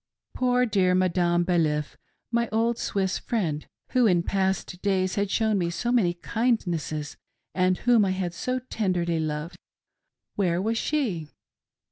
Poor, dear Madame Bailiff — my old Swiss friend, who in past days had shown me so many kindnesses and whom I had so tenderly loved — ^where was she